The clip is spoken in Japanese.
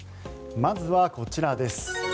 まずはこちらです。